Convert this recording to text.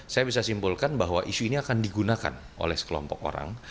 saya bisa simpulkan bahwa isu ini akan digunakan oleh sekelompok orang